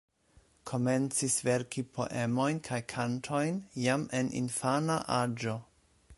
Komencis verki poemojn kaj kantojn jam en infana aĝo.